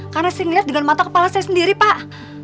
karena sering liat dengan mata kepala saya sendiri pak